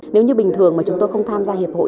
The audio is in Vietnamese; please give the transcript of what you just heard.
nếu như bình thường mà chúng tôi không tham gia hiệp hội